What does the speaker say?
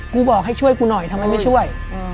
บอกให้ช่วยกูหน่อยทำไมไม่ช่วย